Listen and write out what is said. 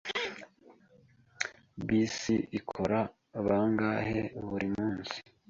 Bisi ikora bangahe buri munsi?